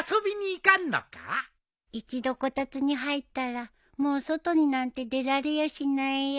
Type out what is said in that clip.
一度こたつに入ったらもう外になんて出られやしないよ。